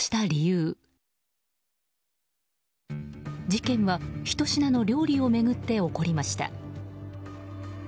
事件は、ひと品の料理を巡って起こりました。